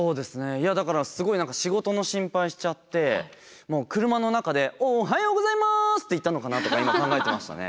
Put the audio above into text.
いやだからすごい何か仕事の心配しちゃってもう車の中で「おーはようございます！」って言ったのかなとか今考えてましたね。